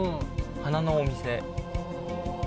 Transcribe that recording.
花のお店。